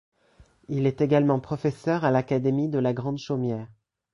Il est également professeur à l’académie de la Grande Chaumière.